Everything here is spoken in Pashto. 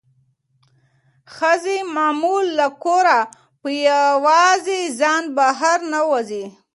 ښځې معمولا له کوره په یوازې ځان بهر نه وځي.